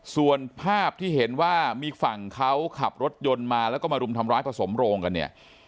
ส่วนภาพที่เห็นว่ามีฝั่งเขาขับรถยนต์มาแล้วก็มารุมทำร้ายผสมโรงกันเนี่ย